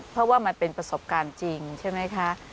เพราะว่ามันเป็นประสบการณ์จริงใช่ไหมคะ